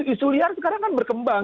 isuliar sekarang kan berkembang